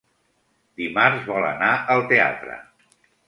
Dimarts vol anar al teatre.